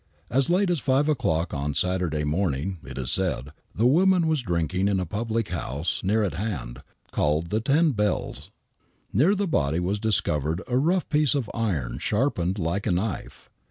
As late as 5 o'clock on Saturday morning, it is said, the woman was drinking in a public house near at hand, called the Ten Bells. I^ear the body was discovered a rough piece of iron sharpened like a knife.